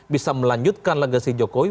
bisa melanjutkan legasi jokowi